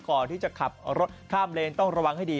ก่อนที่จะขับรถข้ามเลนต้องระวังให้ดี